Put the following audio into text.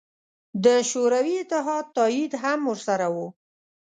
د شوروي اتحاد تایید هم ورسره و.